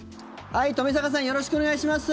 冨坂さんよろしくお願いします。